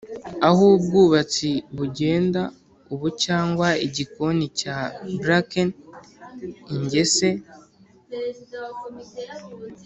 aho ubwatsi bugenda ubu cyangwa igikoni cya bracken ingese